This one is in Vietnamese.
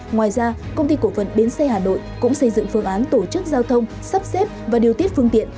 ngoài ra công ty cổ phần bến xe hà nội cũng xây dựng phương án tổ chức giao thông sắp xếp và điều tiết phương tiện